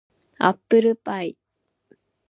アップルパイ